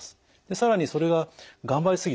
更にそれが頑張り過ぎた。